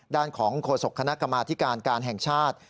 ด้านของโฆษกคณะกรรมาธิการการแห่งชาติ